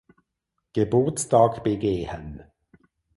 Geburtstag begehen.